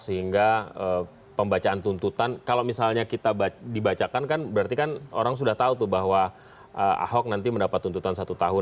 sehingga pembacaan tuntutan kalau misalnya kita dibacakan kan berarti kan orang sudah tahu tuh bahwa ahok nanti mendapat tuntutan satu tahun